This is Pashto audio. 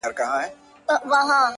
داده پښـــــتانه اشـــــــنــــٰــا،